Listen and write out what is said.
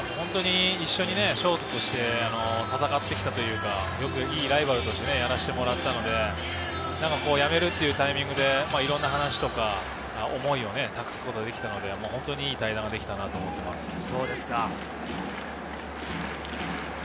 一緒にショートとして戦ってきたというか、いいライバルとしてやらせてもらったので、やめるというタイミングでいろんな話、思いを託すことができたので本当にいい対談ができたと思います。